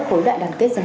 khối đại đạo việt nam